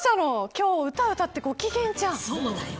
今日、歌を歌ってご機嫌じゃん。